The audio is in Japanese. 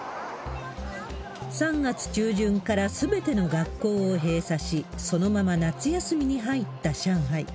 ３月中旬からすべての学校を閉鎖し、そのまま夏休みに入った上海。